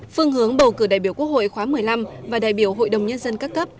phương hướng bầu cử đại biểu quốc hội khóa một mươi năm và đại biểu hội đồng nhân dân các cấp